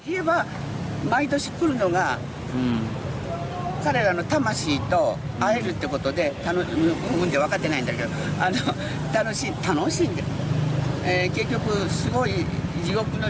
saya ingin mengucapkan saya senang beruntung